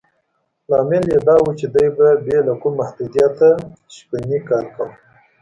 لامل یې دا و چې دې به بې له کوم محدودیته شپنی کار کاوه.